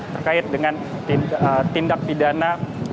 terkait dengan tindak pidana